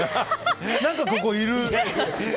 何かここ、いる！